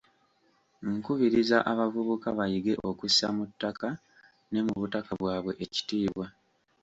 Nkubiriza abavubuka bayige okussa mu ttaka ne mu butaka bwabwe ekitiibwa.